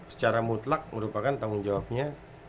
secara mutlak merupakan tanggung jawabnya